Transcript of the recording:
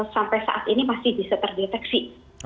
sampai saat ini masih bisa terdeteksi